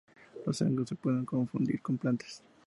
Los hongos se pueden confundir con plantas.